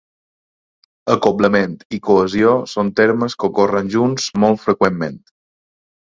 Acoblament i cohesió són termes que ocorren junts molt freqüentment.